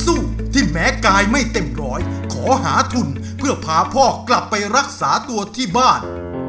ที่แม้กายไม่เต็มร้อยขอหาทุนเพื่อพาพ่อกลับไปรักษาตัวที่บ้าน